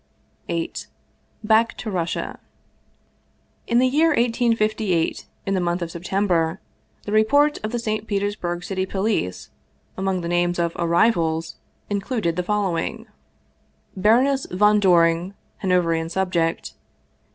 VIII BACK TO RUSSIA IN the year 1858, in the month of September, the " Re port of the St. Petersburg City Police " among the names of " Arrivals " included the following: Baroness von Dbring, Hanoverian subject.